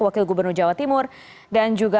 wakil gubernur jawa timur dan juga